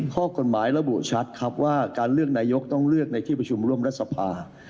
ข้อกฎหมายระบุชัดครับว่าการเลือกนายกต้องเลือกในที่ประชุมร่วมรัฐสภา